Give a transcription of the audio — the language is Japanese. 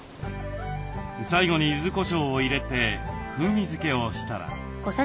最後にゆずこしょうを入れて風味付けをしたら。